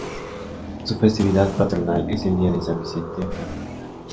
Su festividad patronal es el día de San Vicente Ferrer.